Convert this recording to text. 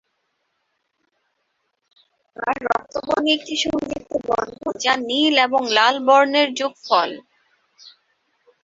আর রক্তবর্ণ একটি সংযুক্ত বর্ণ, যা নীল এবং লাল বর্ণের যোগফল।